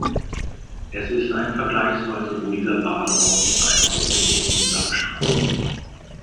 Es ist ein vergleichsweise ruhiger Badeort mit einem ausgedehnten Sandstrand.